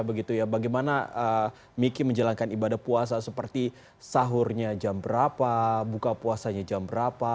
bagaimana miki menjalankan ibadah puasa seperti sahurnya jam berapa buka puasanya jam berapa